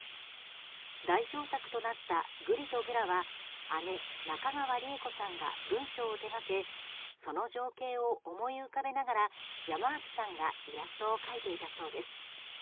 代表作となった「ぐりとぐら」は姉・中川李枝子さんが文章を手掛けその情景を思い浮かべながら山脇さんがイラストを描いていたそうです。